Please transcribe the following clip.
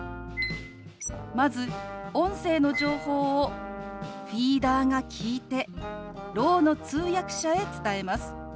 まず音声の情報をフィーダーが聞いてろうの通訳者へ伝えます。